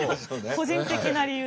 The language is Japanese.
個人的な理由で。